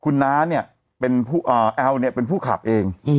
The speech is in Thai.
คุณน้าเนี่ยแอลกอลฮอล์เนี่ยเป็นผู้ขับเอง